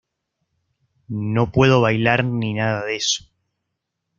Y no puedo bailar ni nada de eso.